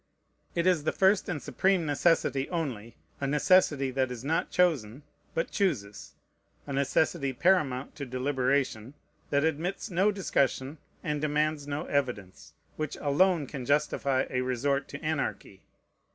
It is the first and supreme necessity only, a necessity that is not chosen, but chooses, a necessity paramount to deliberation, that admits no discussion and demands no evidence, which alone can justify a resort to anarchy.